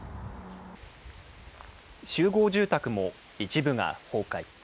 集合住宅も一部が崩壊。